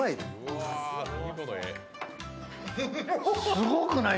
すごくない？